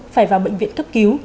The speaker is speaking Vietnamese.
phải vào bệnh viện cấp cứu